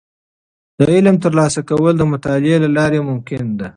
د علم ترلاسه کول د مطالعې له لارې ممکن دي.